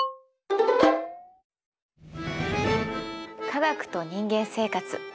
「科学と人間生活」